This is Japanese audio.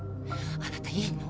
あなたいいの？